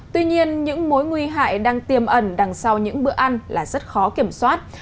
tuy nhiên những mối nguy hại đang tiềm ẩn đằng sau những bữa ăn là rất khó kiểm soát